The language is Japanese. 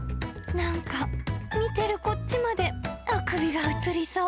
なんか、見てるこっちまであくびがうつりそう。